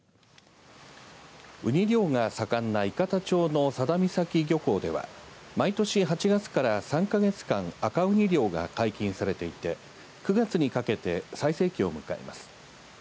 ウニ漁が盛んな伊方町の佐田岬漁港では毎年８月から３か月間赤ウニ漁が解禁されていて９月にかけて最盛期を迎えます。